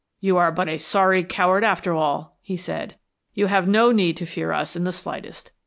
"You are but a sorry coward after all," he said. "You have no need to fear us in the slightest.